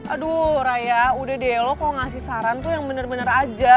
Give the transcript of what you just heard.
aduh raya udah deh lo kalo ngasih saran tuh yang bener bener aja